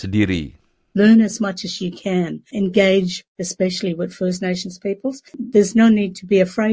dapat memberikan wawasan yang lebih mendalam